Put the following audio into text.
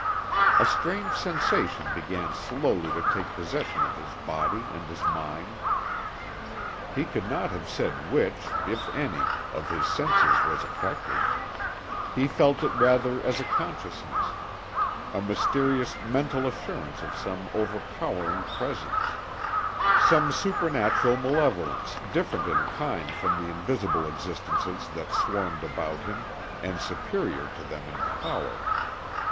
A strange sensation began slowly to take possession of his body and his mind. He could not have said which, if any, of his senses was affected; he felt it rather as a consciousness—a mysterious mental assurance of some overpowering presence—some supernatural malevolence different in kind from the invisible existences that swarmed about him, and superior to them in power.